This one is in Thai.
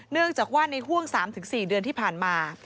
เนื่องจากว่าในห่วง๓๔เดือนที่ผ่านมา